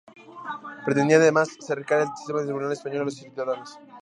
Pretendía, además, acercar el sistema de tribunales español a los ciudadanos.